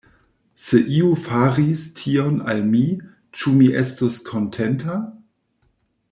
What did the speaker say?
Se iu faris tion al mi, ĉu mi estus kontenta?